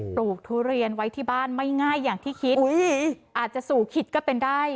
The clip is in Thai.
ลูกทุเรียนไว้ที่บ้านไม่ง่ายอย่างที่คิดอาจจะสู่คิดก็เป็นได้